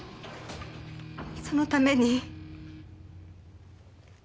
そのために。